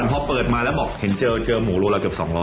พอเปิดมาแล้วบอกเห็นเจอหมูรัวละเกือบ๒๐๐